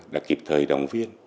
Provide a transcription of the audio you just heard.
đã kịp thời đồng viên